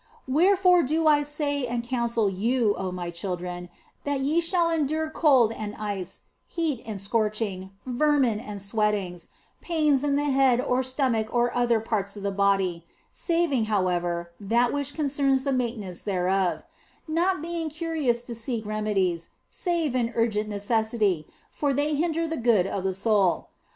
Wherefore do I say and counsel you, oh my children, that ye shall endure cold and ice, heat and scorching, vermin and sweatings, pains in the head or stomach or other parts of the body (saving, however, that which concerns the maintenance thereof), not being curious to seek remedies, save in urgent necessity, for they hinder the good of the soul.